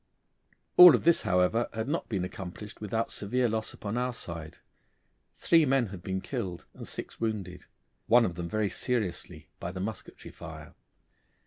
All this, however, had not been accomplished without severe loss upon our side. Three men had been killed and six wounded, one of them very seriously, by the musketry fire.